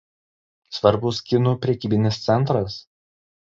Svarbus kinų prekybinis centras.